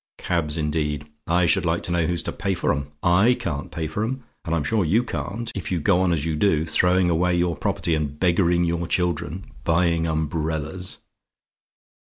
Cabs, indeed! I should like to know who's to pay for 'em; I can't pay for 'em, and I'm sure you can't, if you go on as you do; throwing away your property, and beggaring your children buying umbrellas!